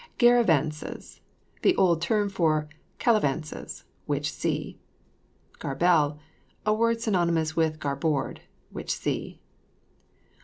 GARAVANCES. The old term for calavances (which see). GARBEL. A word synonymous with garboard (which see).